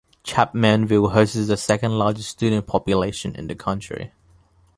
Chapmanville hosts the second largest student population in the county.